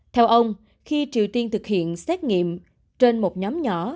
theo ông khi triều tiên thực hiện xét nghiệm trên một nhóm nhỏ